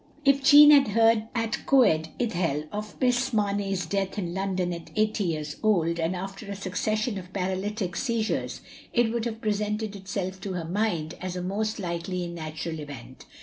If Jeanne had heard at Coed Ithel of Miss Mamey's death* in London at eighty years old, and after a succession of paralytic seizures, it would have presented itself to her mind as a most likely and natural event.